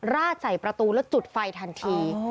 ราดใส่ประตูแล้วจุดไฟทันที